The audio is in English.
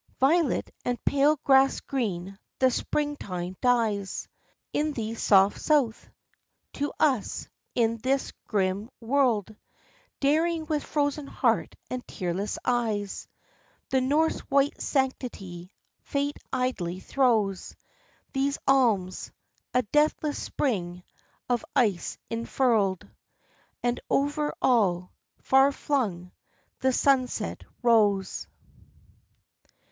Violet and pale grass green, the Spring time dies In the soft South. To us, in this grim world, Daring with frozen heart and tearless eyes The North's white sanctity, Fate idly throws These alms a deathless Spring of ice enfurled, And over all, far flung, the sunset rose.